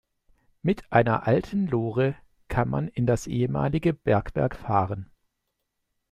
Mit einer alten Lore kann man in das ehemalige Bergwerk fahren.